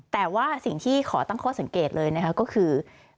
แต่ว่าสิ่งที่ขอตั้งข้อสังเกตเลยนะคะก็คือ